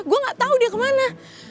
gue gak tau dia kemana